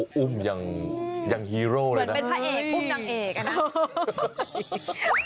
อุ้มอย่างฮีโร่เลยเหมือนเป็นพระเอกอุ้มนางเอกอ่ะนะ